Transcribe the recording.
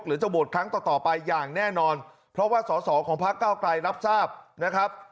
จะโหวตครั้งต่อต่อไปอย่างแน่นอนเพราะว่าสอสอของพักเก้าไกลรับทราบนะครับ